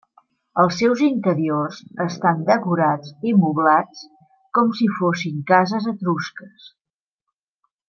Els seus interiors estan decorats i moblats com si fossin cases etrusques.